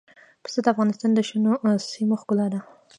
پسه د افغانستان د شنو سیمو ښکلا ده.